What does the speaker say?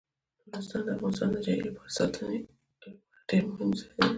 نورستان د افغانستان د چاپیریال ساتنې لپاره ډیر مهم ځای دی.